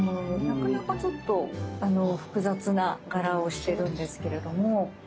なかなかちょっと複雑な柄をしてるんですけれども。